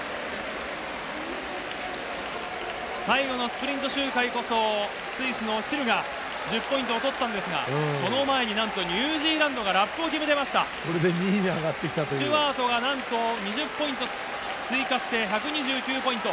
最後のスプリント周回こそ、スイスのシルが、１０ポイントを取ったんですが、その前になんとニュージーランドがラップを決めこれで２位に上がってきたとスチュワートがなんと、２０ポイント追加して、１２９ポイント。